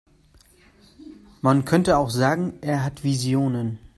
Man könnte auch sagen, er hat Visionen.